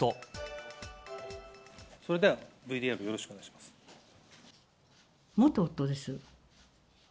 それではＶＴＲよろしくお願元夫です。